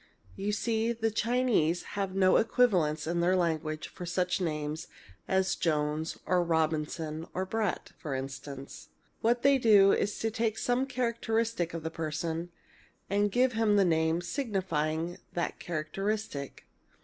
You see, the Chinese have no equivalents in their language for such names as Jones or Robinson or Brett, for instance. What they do is to take some characteristic of a person, and give him a name signifying that characteristic.